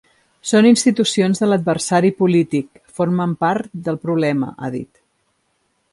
Són institucions de l’adversari polític, formen part del problema, ha dit.